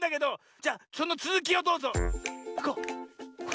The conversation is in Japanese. じゃそのつづきをどうぞ。